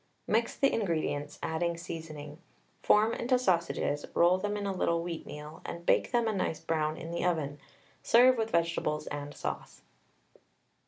Mix the ingredients, adding seasoning. Form into sausages, roll them in a little wheatmeal, and bake them a nice brown in the oven. Serve with vegetables and sauce.